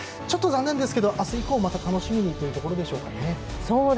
ちょっと残念ですがあす以降、楽しみにということでしょうかね。